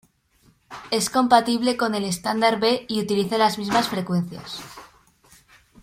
Es compatible con el estándar b y utiliza las mismas frecuencias.